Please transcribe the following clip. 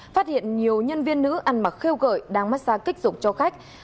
phát hiện nhiều nhân viên nữ ăn mặc khêu gợi đang massage kích dục cho khách